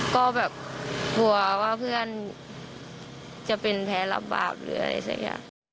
ก็แบบกลัวว่าเพื่อนจะเป็นแพ้รับบ้าน